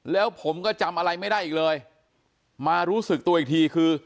แล้วผมก็จำอะไรไม่ได้อีกเลยมารู้สึกตัวอีกทีคือ